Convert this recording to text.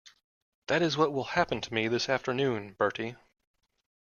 That is what will happen to me this afternoon, Bertie.